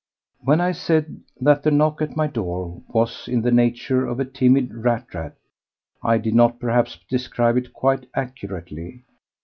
When I said that the knock at my door was in the nature of a timid rat rat I did not perhaps describe it quite accurately.